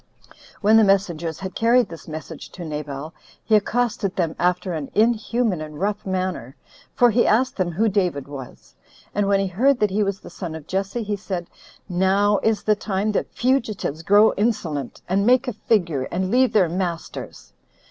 When the messengers had carried this message to Nabal, he accosted them after an inhuman and rough manner; for he asked them who David was? and when he heard that he was the son of Jesse, he said, "Now is the time that fugitives grow insolent, and make a figure, and leave their masters."